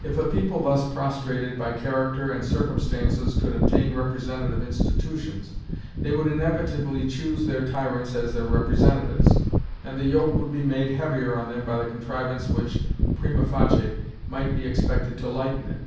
If a people thus prostrated by character and circumstances could obtain representative institutions, they would inevitably choose their tyrants as their representatives, and the yoke would be made heavier on them by the contrivance which primâ facie might be expected to lighten it.